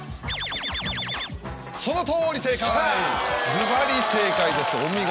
ズバリ正解ですお見事。